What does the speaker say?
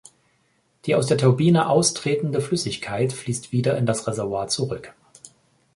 Die aus der Turbine austretende Flüssigkeit fließt wieder in das Reservoir zurück.